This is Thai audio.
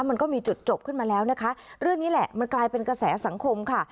มันก็มีจุดจบขึ้นมาแล้วนะคะเรื่องนี้แหละมันกลายเป็นกระแสสังคมค่ะ